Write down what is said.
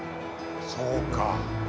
そうか。